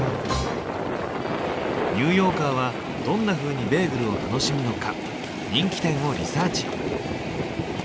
ニューヨーカーはどんなふうにベーグルを楽しむのか人気店をリサーチ。